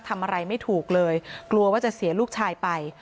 ทำอะไรไม่ถูกเลยกลัวว่าจะเสียลูกชายไป